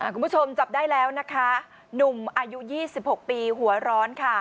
คุณผู้ชมจับได้แล้วนะคะหนุ่มอายุ๒๖ปีหัวร้อนค่ะ